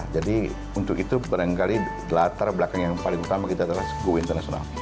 jadi untuk itu berangkali latar belakang yang paling utama kita adalah sebuah internasional